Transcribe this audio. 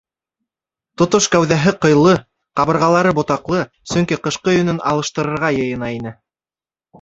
Тотош кәүҙәһе ҡыйлы, ҡабырғалары ботаҡлы, сөнки ҡышҡы йөнөн алыштырырға йыйына ине.